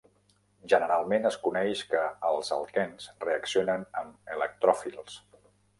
Generalment, es coneix que els alquens reaccionen amb electròfils.